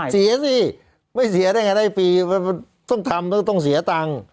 เสียสิไม่เสียได้ไงได้ปีต้องทำก็ต้องเสียตั้ง